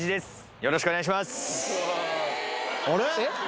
よろしくお願いします